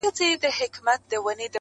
اشنا مي پاته په وطن سو-